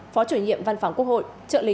phó chủ nhiệm văn phòng quốc hội trợ lý chủ tịch